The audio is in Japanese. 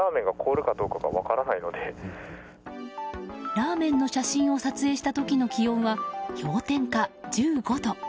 ラーメンの写真を撮影した時の気温は氷点下１５度。